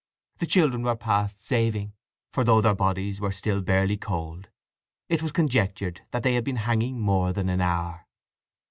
The children were past saving, for though their bodies were still barely cold it was conjectured that they had been hanging more than an hour.